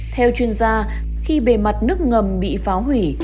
theo chuyên gia khi bề mặt nước ngầm bị phá hủy